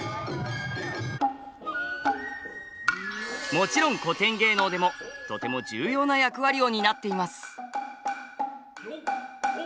もちろん古典芸能でもとても重要な役割を担っています。